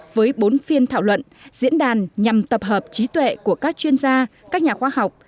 với bốn phiên thảo luận diễn đàn nhằm tập hợp trí tuệ của các chuyên gia các nhà khoa học